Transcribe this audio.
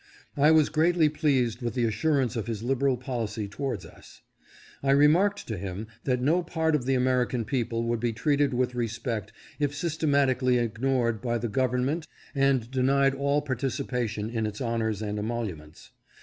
I was greatly pleased with the assurance of his liberal policy towards us. I re marked to him, that no part of the American people would be treated with respect if systematically ignored by the government and denied all participation in its honors and emoluments.